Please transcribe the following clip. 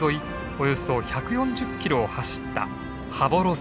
およそ１４０キロを走った羽幌線。